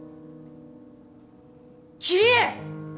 桐江！